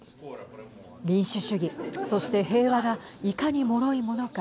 民主主義、そして平和がいかに、もろいものか